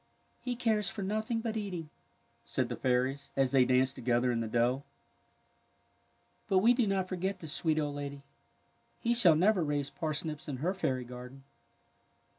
^^ He cares for nothing but eating," said the fairies, as they danced together in the dell. " But we do not forget the sweet old lady. He shall never raise parsnips in her fairy garden."